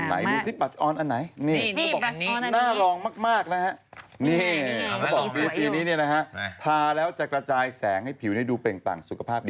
อันนี้หน้ารองมากนะฮะนี่คุณบอกว่าสีนี้นี้นะคะทาแล้วจะกระจายแสงให้ผิวดูเป็นปั่งสุขภาพดี